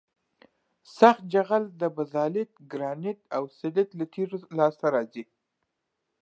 سخت جغل د بزالت ګرانیت او سلیت له تیږو لاسته راځي